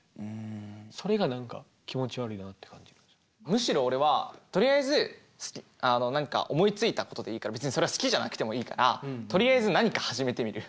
むしろ俺はとりあえず何か思いついたことでいいから別にそれは好きじゃなくてもいいからとりあえず何か始めてみる。